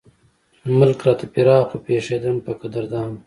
ملک راته فراخ وو پېښېدم پۀ قدردانو